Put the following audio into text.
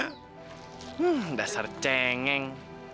hmm dasar cengeng